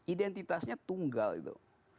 identitasnya tunggal gitu